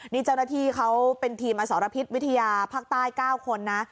นี่เจ้าหน้าที่เขาเป็นทีมอสรพิษวิทยาภาคใต้๙คนนะ